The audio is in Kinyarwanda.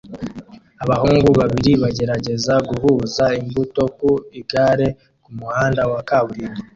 Abahungu babiri bagerageza guhuza imbuto ku igare kumuhanda wa kaburimbo